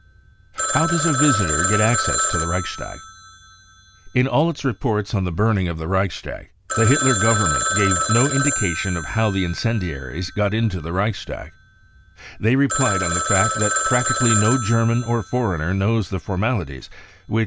How does a visitor get access to the Reichstag ? In all its reports on the burning of the Reichstag, the Hitler Government gave no indication of how the incendiaries got into the Reichstag. They relied on the fact that prac tically no German or foreigner knows the formalities which